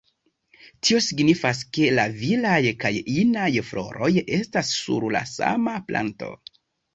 Tio signifas, ke la viraj kaj inaj floroj estas sur la sama planto.